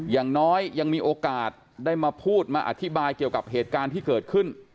อย่างน้อยยังมีโอกาสได้มาพูดมาอธิบายเกี่ยวกับเหตุการณ์ที่เกิดขึ้น